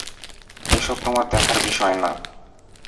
এসব তোমার দেখার বিষয় না।